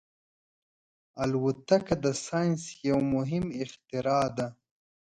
الوتکه د ساینس یو مهم اختراع ده.